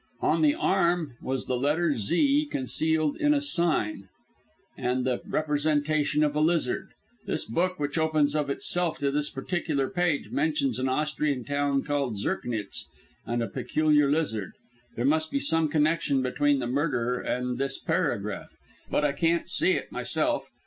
"On the arm was the letter 'Z' concealed in a sign, and the representation of a lizard. This book, which opens of itself at this particular page, mentions an Austrian town called Zirknitz and a peculiar lizard. There must be some connection between the murder and this paragraph, but I can't see it myself.